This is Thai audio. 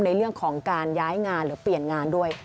ในเรื่องของการย้ายงานหรือเปลี่ยนงานด้วย